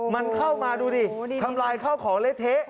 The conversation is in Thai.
มันเข้ามาดูดิทำลายข้าวของเละเทะ